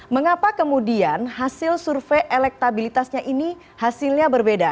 mengapa kemudian hasil survei elektabilitasnya ini hasilnya berbeda